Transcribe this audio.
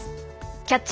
「キャッチ！